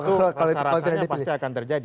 itu rasa rasanya pasti akan terjadi